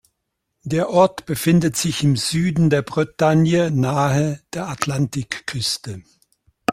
Der Ort befindet sich im Süden der Bretagne nahe der Atlantikküste.